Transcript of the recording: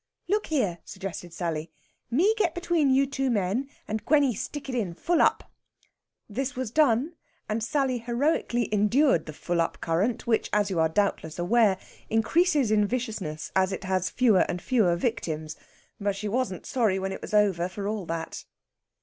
"Look here," suggested Sally. "Me get between you two men, and Gwenny stick it in full up." This was done, and Sally heroically endured the "full up" current, which, as you doubtless are aware, increases in viciousness as it has fewer and fewer victims. But she wasn't sorry when it was over, for all that.